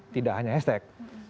tidak hanya hashtag